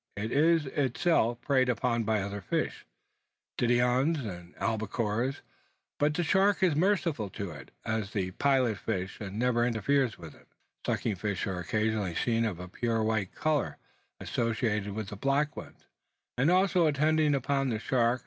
It is itself preyed upon by other fish, diodons and albacores; but the shark is merciful to it, as to the pilot fish, and never interferes with it. Sucking fish are occasionally seen of a pure white colour associating with the black ones, and also attending upon the shark.